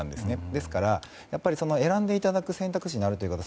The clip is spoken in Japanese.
ですから、選んでいただく選択肢にあるということ。